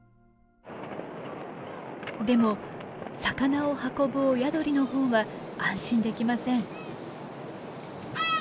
でも魚を運ぶ親鳥の方は安心できません。